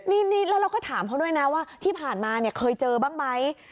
นี่แล้วเราก็ถามเขาด้วยนะว่าที่ผ่านมาเนี่ยเคยเจอบ้างไหม